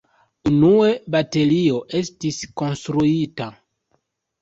Unue baterio estis konstruita.